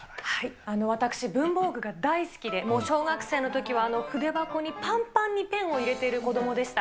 私、文房具が大好きで、もう小学生のときは、筆箱にぱんぱんにペンを入れている子どもでした。